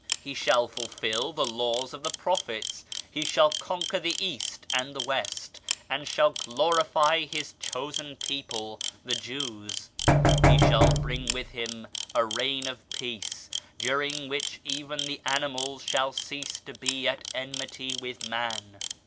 He shall fulfil the Law of the Prophets, He shall conquer the East and the West, and shall glorify His chosen people the Jews. He shall bring with Him a reign of Peace, during which even the animals shall cease to be at enmity with man.